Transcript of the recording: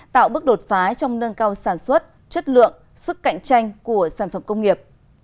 tạo bước đột phá trong nâng cao sản xuất chất lượng sức cạnh tranh của sản phẩm công nghiệp